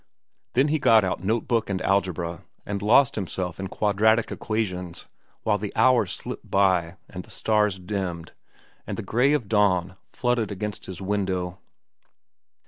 Then he got out note book and algebra and lost himself in quadratic equations, while the hours slipped by, and the stars dimmed, and the gray of dawn flooded against his window.